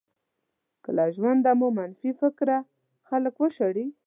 که له ژونده مو منفي فکره خلک وشړل.